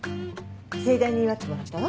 盛大に祝ってもらったわ。